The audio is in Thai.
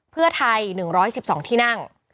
เพื่อไทย๑๑๒ที่นั่ง